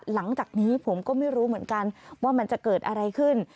หลังจากนี้ผมก็ไม่รู้เหมือนกันว่ามันจะเกิดอะไรขึ้น